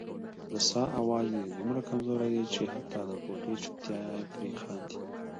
د ساه اواز یې دومره کمزوری دی چې حتا د کوټې چوپتیا پرې خاندي.